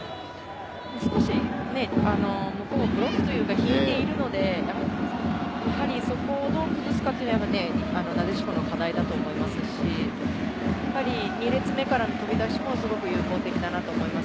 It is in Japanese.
少し向こうもブロックというか引いているので、やはりそこをどう崩すかというのがなでしこの課題だと思いますし、やはり２列目からの飛び出しもすごく有効的だと思います。